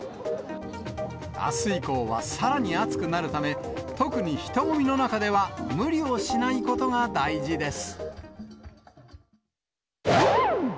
あす以降はさらに暑くなるため、特に人混みの中では無理をしないことが大事です。